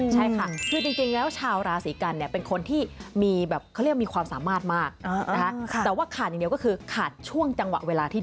ใช่ค่ะคือจริงแล้วชาวราศีกันเนี่ยเป็นคนที่มีแบบเขาเรียกว่ามีความสามารถมากนะคะแต่ว่าขาดอย่างเดียวก็คือขาดช่วงจังหวะเวลาที่